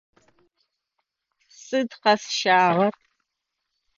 Сыд къэсщагъэр?